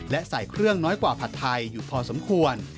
และใส่เครื่องน้อยกว่าผัดไทยอยู่พอสมควร